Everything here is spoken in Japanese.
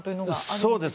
そうですね。